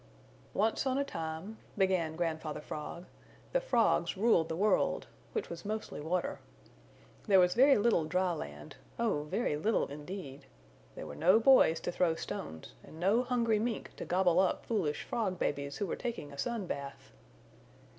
"Once on a time," began Grandfather Frog, "the Frogs ruled the world, which was mostly water. There was very little dry land oh, very little indeed! There were no boys to throw stones and no hungry Mink to gobble up foolish Frog babies who were taking a sun bath!"